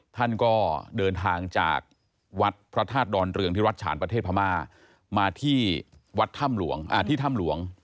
ท่านก็เดินทางจากวัดพระธาตุดอนเรืองที่วัดฉานประเทศพม่ามาที่วัดถ้ำหลวงที่ถ้ำหลวง